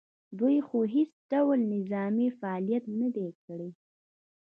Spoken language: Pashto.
دوی خو هېڅ ډول نظامي فعالیت نه دی کړی